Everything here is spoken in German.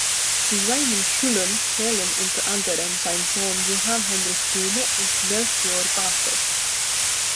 Zu seinen Schülern zählen unter anderem sein Sohn Johann Heinrich Böhme und Melchior Barthel.